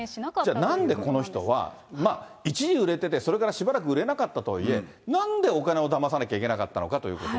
じゃあなんで、この人は一時売れてて、それからしばらく売れなかったとはいえ、なんでお金をだまさなきゃいけなかったのかということで。